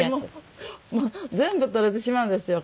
全部取れてしまうんですよ